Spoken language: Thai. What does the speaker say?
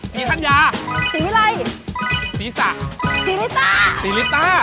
สีท่านยาสีอะไรสีสะสีลิต้าสีลิต้า